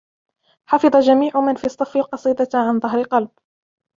حفظ جميع من في الصف القصيدة عن ظهر قلب.